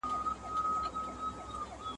هر انسان لره معلوم خپل عاقبت وي !.